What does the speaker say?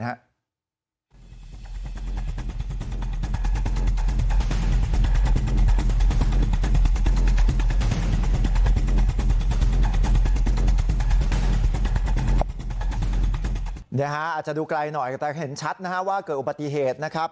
อาจจะดูไกลหน่อยแต่เห็นชัดนะฮะว่าเกิดอุบัติเหตุนะครับ